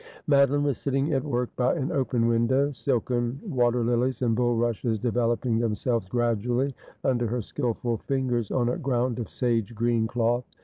Madoline was sitting at work by an open window, silken water lilies and bulrushes developing themselves gradually under her skilful fingers, on a ground of sage green cloth.